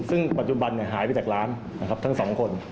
ซึ่งปัจจุบันหายไปจากร้านทั้ง๒คน